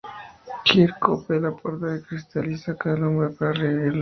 Kirk rompe la puerta de cristal y saca al hombre para revivirlo.